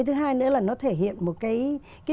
thứ hai nữa là nó thể hiện một cái